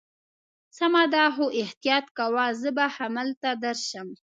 سمه ده، خو احتیاط کوه، زه به همالته درشم.